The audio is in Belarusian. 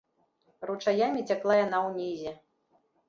Ручаямі цякла яна ўнізе.